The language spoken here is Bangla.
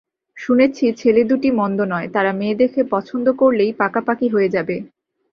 শুনেছি ছেলে দুটি মন্দ নয়– তারা মেয়ে দেখে পছন্দ করলেই পাকাপাকি হয়ে যাবে।